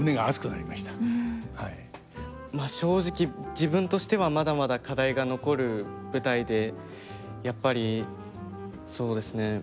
まあ正直自分としてはまだまだ課題が残る舞台でやっぱりそうですね。